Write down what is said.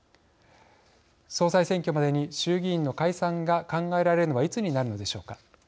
総裁選挙までに衆議院の解散が考えられるのはいつになるのでしょうか。